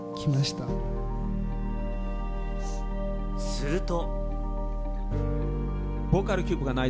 すると。